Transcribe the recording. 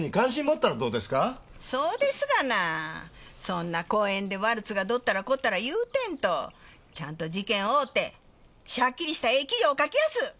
そんな公園でワルツがどったらこったら言うてんとちゃんと事件追うてしゃっきりしたええ記事お書きやす！